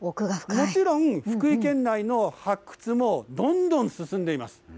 もちろん福井県内の発掘も、どんどん進んでいます。